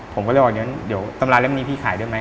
ผมก็เลยบอกเดี๋ยวตำราเล่มนี้พี่ขายได้ไหม